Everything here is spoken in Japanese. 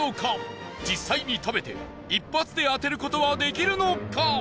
実際に食べて一発で当てる事はできるのか？